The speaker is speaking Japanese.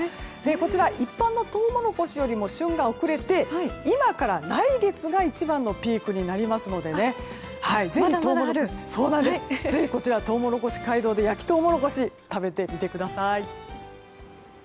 こちら一般のトウモロコシよりも旬が遅れて今から来月が一番のピークになりますのでぜひとうもろこし街道で焼きトウモロコシ食べてみてください。